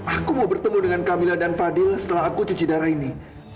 aku mau bertemu dengan kamila dan fadil setelah aku cuci darah ini